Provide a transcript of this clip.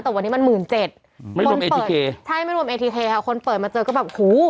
แต่วันนี้มันหมื่นเจ็ดใช่ไม่รวมค่ะคนเปิดมาเจอก็แบบโห